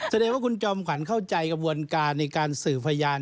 แสดงว่าคุณจอมขวัญเข้าใจกระบวนการในการสื่อพยาน